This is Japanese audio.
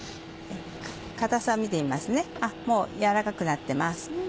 硬さを見てみますねもう軟らかくなってます。